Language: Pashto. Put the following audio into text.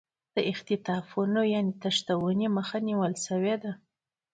د اختطافونو مخه نیول شوې